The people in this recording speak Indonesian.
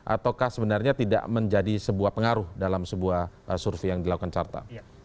ataukah sebenarnya tidak menjadi sebuah pengaruh dalam sebuah survei yang dilakukan carta